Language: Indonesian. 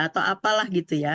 atau apalah gitu ya